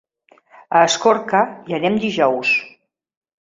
A Escorca hi anem dijous.